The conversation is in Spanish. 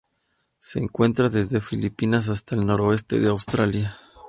Se encuentra desde las Filipinas hasta el noroeste de Australia.